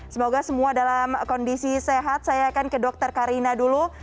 semoga semua dalam kondisi sehat saya akan ke dr karina dulu